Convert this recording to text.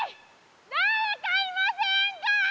誰かいませんか？